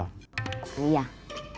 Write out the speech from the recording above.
dirjen hak atas kekayaan intelektual